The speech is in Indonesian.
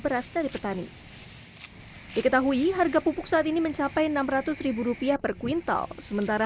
beras dari petani diketahui harga pupuk saat ini mencapai enam ratus rupiah per kuintal sementara